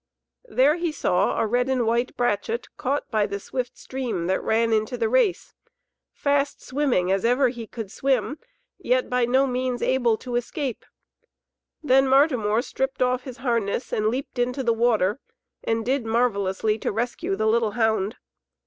There saw he a red and white brachet, caught by the swift stream that ran into the race, fast swimming as ever he could swim, yet by no means able to escape. Then Martimor stripped off his harness and leaped into the water and did marvellously to rescue the little hound.